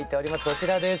こちらです。